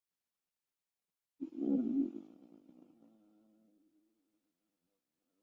该组织是国际马克思主义倾向的支部。